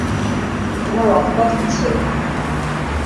তোমার রক্তপাত হচ্ছে?